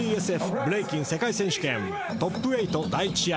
ブレイキン世界選手権トップ８第１試合。